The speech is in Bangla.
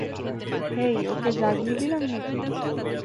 হেই, ওকে জাগিয়ে দিলাম নাকি?